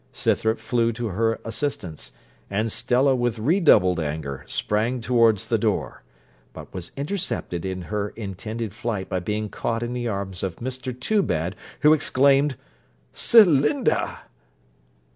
Scythrop flew to her assistance; and Stella with redoubled anger sprang towards the door, but was intercepted in her intended flight by being caught in the arms of Mr Toobad, who exclaimed 'Celinda!'